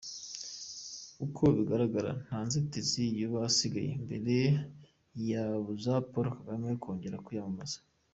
Uko bigaragara nta nzitizi yaba isigaye imbere yabuza Paul Kagame kongera kwiyamamaza .